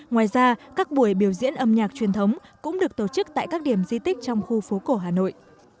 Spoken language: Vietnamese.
ngoài ra các buổi biểu diễn âm nhạc truyền thống cũng được tổ chức tại các điểm di tích trong khu phố cổ hà nội